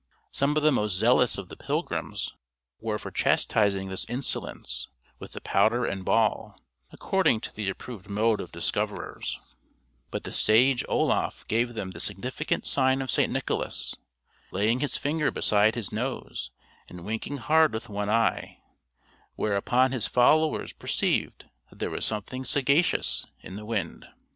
Some of the most zealous of the pilgrims were for chastising this insolence with the powder and ball, according to the approved mode of discoverers; but the sage Oloffe gave them the significant sign of St. Nicholas, laying his finger beside his nose and winking hard with one eye; whereupon his followers perceived that there was something sagacious in the wind.